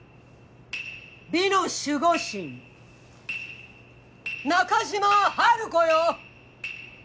美の守護神中島ハルコよ！